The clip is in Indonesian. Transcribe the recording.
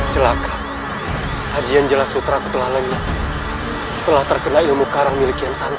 celaka hajian jelas sutra ketelanya telah terkena ilmu karang milik yang santai